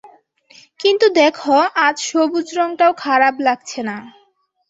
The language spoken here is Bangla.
কিন্তু দেখ, আজ সবুজ রংটাও খারাপ লাগছে না।